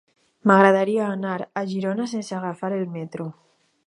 M'agradaria anar a Girona sense agafar el metro.